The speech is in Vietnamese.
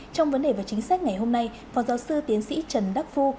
trong vấn đề và chính sách ngày hôm nay phó giáo sư tiến sĩ trần đắc phu